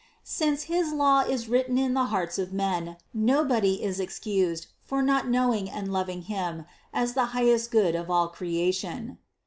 Since his law is written in the hearts of men, nobody is excused for not knowing and loving Him as the highest Good of all cre ation.